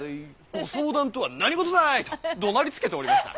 ご相談とは何事だ」とどなりつけておりました。